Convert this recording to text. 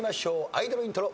アイドルイントロ。